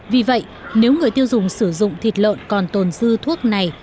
vì vậy nếu người tiêu dùng sử dụng thịt lợn còn tồn dư thuốc này